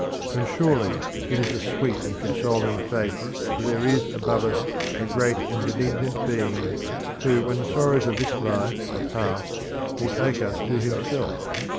And surely it is a sweet and consoling faith that there is above us a great and benignant Being who, when the sorrows of this life are past, will take us to himself.